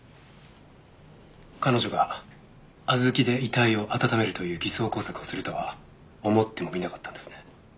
彼女が小豆で遺体を温めるという偽装工作をするとは思ってもみなかったんですね。